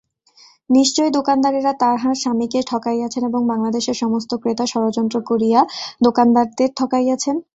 নিশ্চয় দোকানদারেরা তাঁহার স্বামীকে ঠকাইয়াছে এবং বাংলাদেশের সমস্ত ক্রেতা ষড়যন্ত্র করিয়া দোকানদারদের ঠকাইয়াছে।